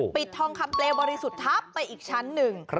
ปิดทองคำเปลวบริสุทธิ์ทับไปอีกชั้นหนึ่ง